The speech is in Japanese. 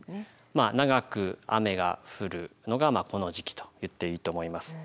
まあ長く雨が降るのがこの時期と言っていいと思います。